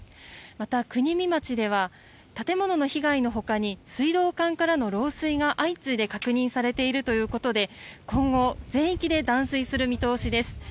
また、国見町では建物の被害のほかに水道管からの漏水が相次いで確認されているということで今後、全域で断水する見通しです。